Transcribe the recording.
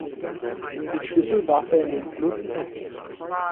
Den Schlüssel warf er in den Fluss Etsch.